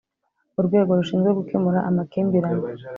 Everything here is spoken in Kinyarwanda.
Urwego rushinzwe gukemura amakimbirane